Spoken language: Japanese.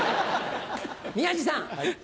宮治さん。